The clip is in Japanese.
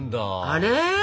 あれ？